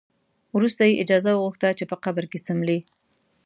وروسته یې اجازه وغوښته چې په قبر کې څملي.